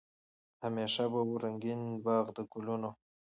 همېشه به وو رنګین باغ د ګلونو